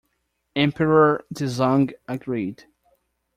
Emperor Dezong agreed.